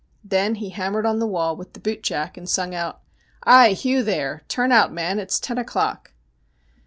Then he hammered on the wall with the boot jack and sung out :' Ay, Hugh, there ! turn out, man ; it's ten o'clock